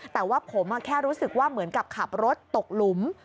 แต่ว่าผมแค่รู้สึกว่าเหมือนกับขับรถตกหลุม